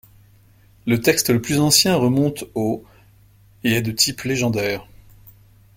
Le texte le plus ancien remonte aux et est de type légendaire.